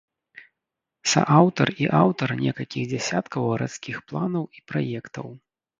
Сааўтар і аўтар некалькіх дзесяткаў гарадскіх планаў і праектаў.